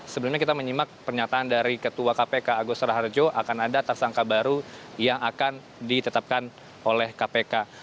sebelumnya kita menyimak pernyataan dari ketua kpk agus raharjo akan ada tersangka baru yang akan ditetapkan oleh kpk